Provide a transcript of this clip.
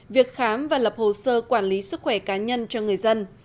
việc khám và lập hồ sơ quản lý sức khỏe cá nhân cho người dân